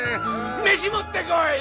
飯持ってこい！